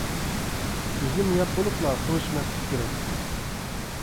ئۈزۈم يەپ بولۇپلا سۇ ئىچمەسلىك كېرەك.